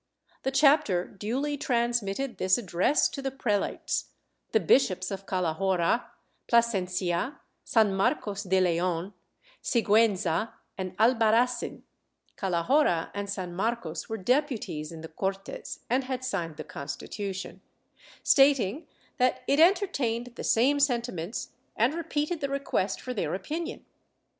The chapter duly transmitted this address to the prelates— the Bishops of Calahorra, Plasencia, San Marcos de Leon, Sigiienza and Albarracin (Calahorra and San Marcos were deputies in the Cortes and had signed the Constitution)— stating that it entertained the same sentiments and repeated the request for their opinion.